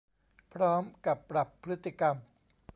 พร้อมกับปรับพฤติกรรม